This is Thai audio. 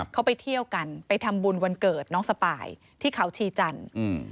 เขาไปเที่ยวกันไปทำบุญวันเกิดน้องสปายที่เขาชีจันทร์